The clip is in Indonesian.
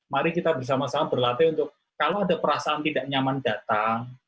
mari kita bersama sama berlatih untuk kalau ada perasaan tidak nyaman datang